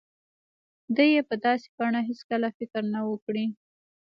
ده يې په داسې بڼه هېڅکله فکر نه و کړی.